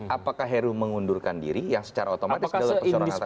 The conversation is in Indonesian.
apakah heru mengundurkan diri yang secara otomatis jalur perseorangan tersebut